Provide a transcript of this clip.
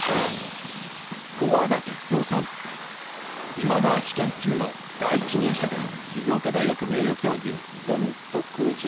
今川氏研究の第一人者です。